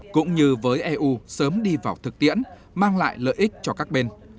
cũng như với eu sớm đi vào thực tiễn mang lại lợi ích cho các bên